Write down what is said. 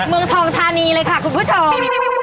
เมืองทองธานีเลยค่ะคุณผู้ชม